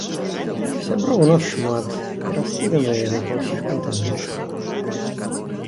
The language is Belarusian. А сяброў у нас шмат, і раскіданыя яны па ўсіх кантынентах.